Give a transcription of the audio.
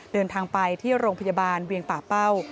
เดินทางไปที่โรงพยาบาลเวียงป่าเป้า